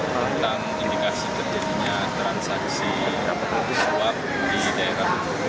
tentang indikasi terjadinya transaksi suap di daerah